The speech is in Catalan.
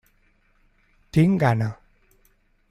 Tinc gana.